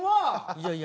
いやいや。